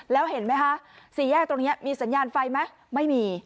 แล้วเห็นไหมคะสี่แยกตรงนี้มีสัญญาณไฟไหมไม่มี